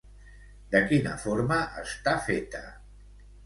De quina forma està feta?